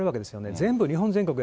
全国、日本全国の。